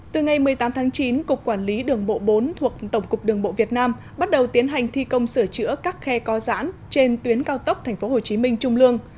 từ ngày một mươi tám tháng chín cục quản lý đường bộ bốn thuộc tổng cục đường bộ việt nam bắt đầu tiến hành thi công sửa chữa các khe co giãn trên tuyến cao tốc tp hcm trung lương